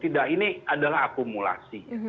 tidak ini adalah akumulasi